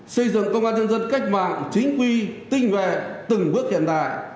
xây dựng công an nhân dân cách mạng chính quy tinh vẹ từng bước hiện đại